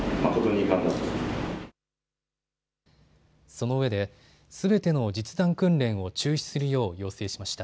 そのうえですべての実弾訓練を中止するよう要請しました。